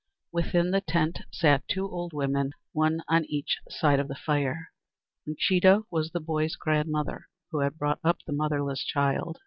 Within the tent sat two old women, one on each side of the fire. Uncheedah was the boy's grandmother, who had brought up the motherless child.